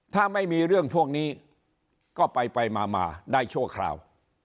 ถ้าไม่มีเรื่องพวกนี้ก็ไปมาได้ชั่วคราว